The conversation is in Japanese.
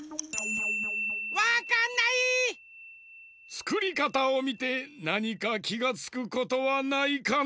つくりかたをみてなにかきがつくことはないかの？